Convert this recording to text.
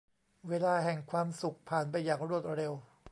เวลาแห่งความสุขผ่านไปอย่างรวดเร็ว